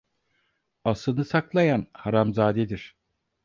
Aslını saklayan haramzadedir.